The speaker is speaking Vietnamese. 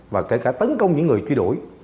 và kể cả tấn công những người truy đuổi